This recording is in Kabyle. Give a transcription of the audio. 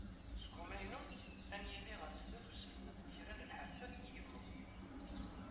Seg umaynut, ad n-yili ɣer sdat uselmed n kra n lḥerfat i yilemẓiyen.